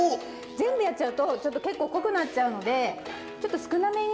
全部やっちゃうとちょっと結構濃くなっちゃうのでちょっと少なめに。